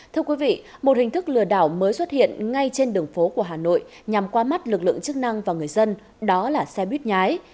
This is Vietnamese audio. thưa quý vị một hình thức lừa đảo mới xuất hiện ngay trên đường phố của hà nội nhằm qua mắt lực lượng chức năng và người dân đó là xe buýt nhái